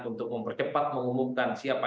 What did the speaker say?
untuk mempercepat mengumumkan siapa